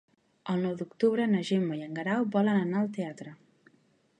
El nou d'octubre na Gemma i en Guerau volen anar al teatre.